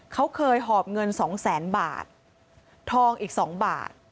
เขาเคยหอบเงิน๒๐๐๐๐๐บาททองอีก๒บาท